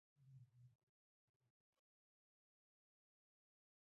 که پښتو مړه شي نو پښتون به هم مړ شي.